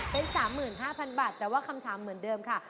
เป็น๓๕๐๐๐บาทแต่ว่าคำถามเหมือนเดิมค่ะ